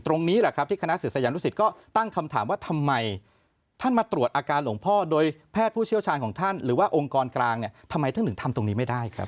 ตรงนี้ล่ะครับที่คณะศิษย์สยานุศิษย์ก็ตั้งคำถามว่าทำไมท่านมาตรวจอาการหลวงพ่อโดยแพทย์ผู้เชี่ยวชาญของท่านหรือว่าองค์กรกลางทำไมธรรมนี้ไม่ได้